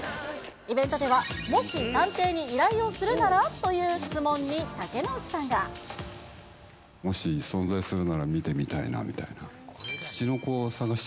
イベントでは、もし探偵に依頼をするなら？という質問に、もし存在するなら見てみたいなみたいな。